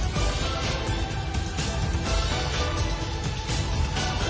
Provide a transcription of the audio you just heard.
มันอยู่ในสำนวนครับ